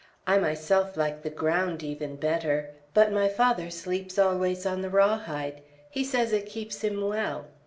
I myself like the ground even better; but my father sleeps always on the rawhide. He says it keeps him well.